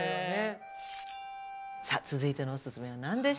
さあ続いてのおすすめはなんでしょう？